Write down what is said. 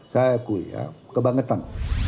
saya akui ya kebangetan